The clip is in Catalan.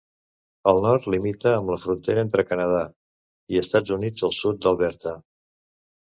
Al nord, limita amb la frontera entre Canadà i Estats Units al sud d'Alberta.